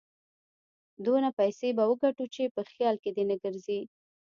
دونه پيسې به وګټو چې په خيال کې دې نه ګرځي.